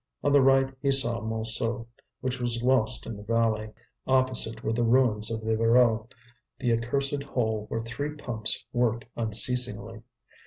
On the right he saw Montsou, which was lost in the valley. Opposite were the ruins of the Voreux, the accursed hole where three pumps worked unceasingly.